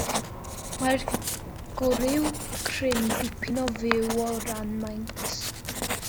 Mae'r gwryw cryn dipyn yn fwy o ran maint.